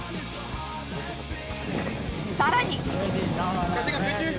さらに。